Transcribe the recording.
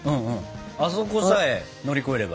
あそこさえ乗り越えれば。